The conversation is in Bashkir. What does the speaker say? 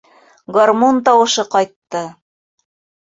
Гармун тауышы ҡайтты!